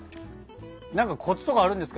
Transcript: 何かコツとかあるんですか？